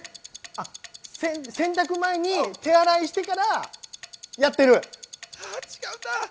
洗濯前に手洗いしてからやってる？